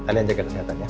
kalian jaga kesehatan ya